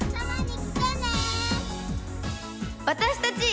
私たち！